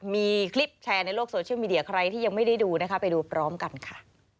มีคลิปแชร์ในโลกโซเชียลมีเดียใครที่ยังไม่ได้ดูนะคะไปดูพร้อมกันค่ะ